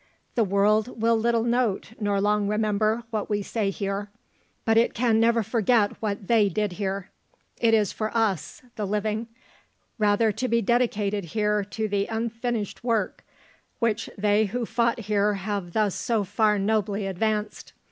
The world will little note, nor long remember, what we say here, but it can never forget what they did here. It is for us, the living, rather to be dedicated here to the unfinished work which they who fought here have thus so far nobly advanced.